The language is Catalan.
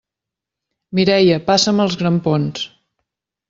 Mireia, passa'm els grampons!